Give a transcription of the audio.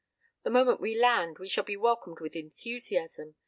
The moment we land, we shall be welcomed with enthusiasm.